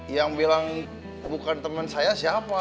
yang bilang bukan teman saya siapa